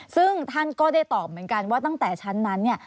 ซึ่งท่านก็ได้ตอบเหมือนกันว่าตั้งแต่ชั้นนั้นเนี่ย